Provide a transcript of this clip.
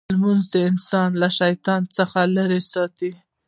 لمونځ انسان له شیطان څخه لرې ساتي.